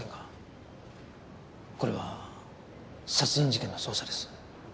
これは殺人事件の捜査です。